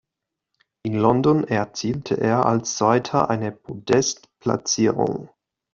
In London erzielte er als Zweiter eine Podest-Platzierung.